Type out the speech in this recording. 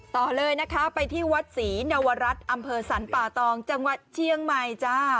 ต่อเลยนะคะไปที่วัดศรีนวรัฐอำเภอสรรป่าตองจังหวัดเชียงใหม่จ้า